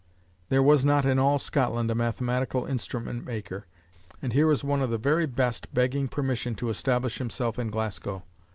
There was not in all Scotland a mathematical instrument maker, and here was one of the very best begging permission to establish himself in Glasgow.